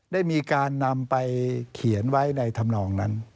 ได้มีการนำไปเขียนไว้ในธรรมนองนั้น